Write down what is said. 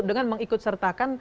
dengan mengikut sertakan